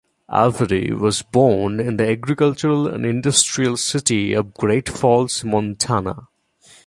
Avery was born in the agricultural and industrial city of Great Falls, Montana.